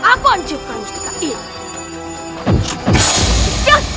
aku hancurkan mustika ini